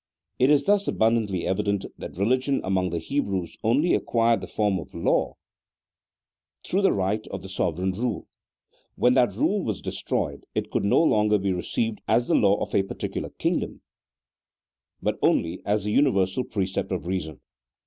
It is thus abundantly evident that religion among the Hebrews only acquired the form of law through the right of the sovereign rule ; when that rule was destroyed, it could no longer be received as the law of a particular kingdom, but only as the universal precept of reason.